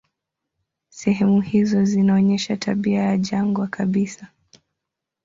Sehemu hizo zinaonyesha tabia ya jangwa kabisa.